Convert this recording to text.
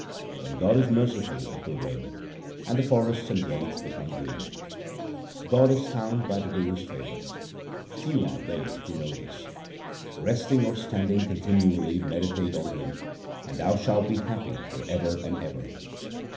When God is merciful it will rain, and the forests and glades become green. God is found by the Guru's favour ; few are they who know this. Resting or standing continually meditate on Him, and thou shalt be happy for ever and ever.